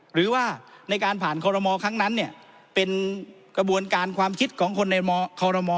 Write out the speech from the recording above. หรือว่าในการผ่านคอรมอครั้งนั้นเป็นกระบวนการความคิดของคนในคอรมอ